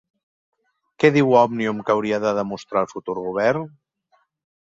Què diu Òmnium que hauria de demostrar el futur govern?